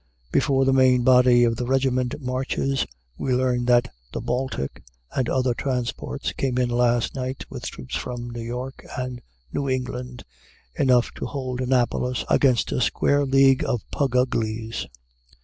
Before the main body of the regiment marches, we learn that the "Baltic" and other transports came in last night with troops from New York and New England, enough to hold Annapolis against a square league of Plug Uglies.